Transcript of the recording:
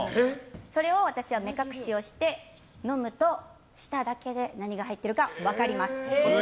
それを私は目隠しをして飲むと舌だけで何が入ってるか分かります。